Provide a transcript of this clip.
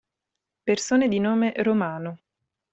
Persone di nome Romano